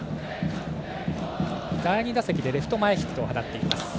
第２打席でレフト前ヒットを放っています。